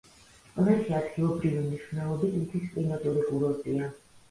წყნეთი ადგილობრივი მნიშვნელობის მთის კლიმატური კურორტია.